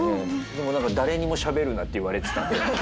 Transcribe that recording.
でも誰にもしゃべるなって言われてたんで。